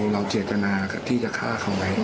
เราเจตนาที่จะฆ่าเขาไหม